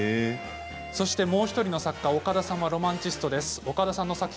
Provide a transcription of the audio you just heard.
もう１人の作家岡田さんはロマンチストです。